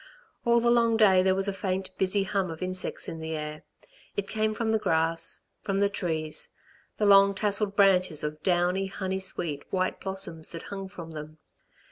All the long day there was a faint busy hum of insects in the air. It came from the grass, from the trees the long tasselled branches of downy honey sweet, white blossoms that hung from them.